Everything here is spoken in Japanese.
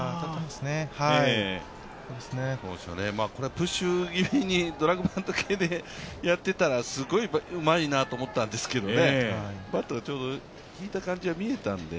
プッシュ気味にやってたらすごいうまいなと思ったんですけどね、バットがちょうど引いた感じが見えたんで。